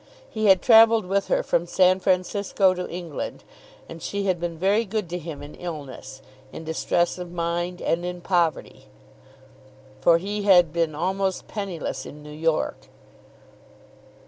He had travelled with her from San Francisco to England, and she had been very good to him in illness, in distress of mind and in poverty, for he had been almost penniless in New York.